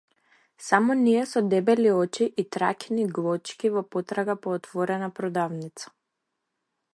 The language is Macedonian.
Само ние со дебели очи и траќни глочки во потрага по отворена продавница.